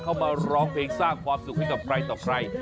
มาร้องเพลงสร้างความสุขให้กับใครต่อใคร